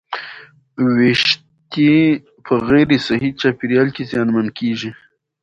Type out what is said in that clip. ویښتې په غیر صحي چاپېریال کې زیانمن کېږي.